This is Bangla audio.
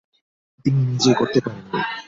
তিনি নিজেই করতে পারেননি।